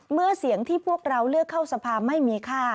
เมื่อเสียงที่พวกเราเลือกเข้าสภาไม่มีค่า